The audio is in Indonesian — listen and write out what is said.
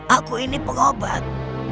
aku ini pengobat